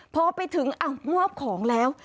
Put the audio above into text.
พอไปถึงมอบของแล้ว